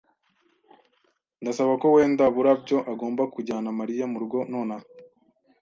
Ndasaba ko wenda Burabyo agomba kujyana Mariya murugo nonaha.